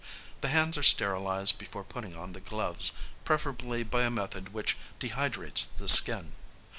The hands are sterilised before putting on the gloves, preferably by a method which dehydrates the skin.